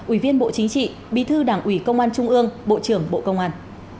ủy viên bộ chính trị bí thư đảng ủy công an trung ương bộ trưởng bộ công an